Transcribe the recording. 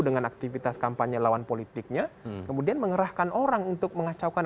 dengan aktivitas kampanye lawan politiknya kemudian mengerahkan orang untuk mengacaukan